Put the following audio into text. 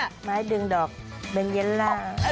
มาให้ดึงดอกเบนเยลล่า